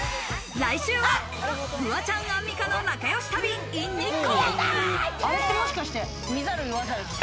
来週はフワちゃんアンミカの仲良し旅ｉｎ日光！